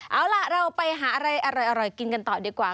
เอาล่ะเราไปหาอะไรอร่อยกินกันต่อดีกว่า